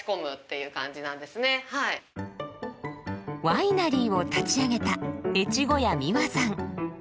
ワイナリーを立ち上げた越後屋美和さん。